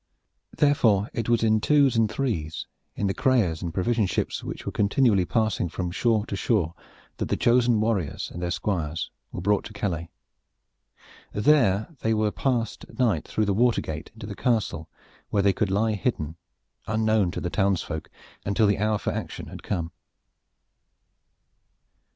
Therefore it was in twos and threes in the creyers and provision ships which were continually passing from shore to shore that the chosen warriors and their squires were brought to Calais. There they were passed at night through the water gate into the castle where they could lie hidden, unknown to the townsfolk, until the hour for action had come.